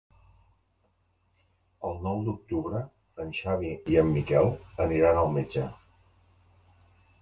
El nou d'octubre en Xavi i en Miquel aniran al metge.